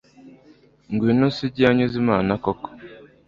ngwino sugi yanyuze imana koko